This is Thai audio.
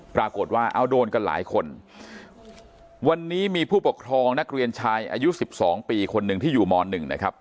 ปรากฏว่าเอาโดนกันหลายคนวันนี้มีผู้ปกครองนักเรียนชายอายุสิบสองปีคนหนึ่งที่อยู่ม๑นะครับ